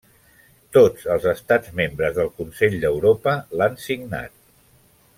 Tots els estats membres del Consell d'Europa l'han signat.